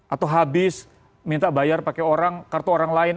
atau habis minta bayar pakai orang kartu orang lain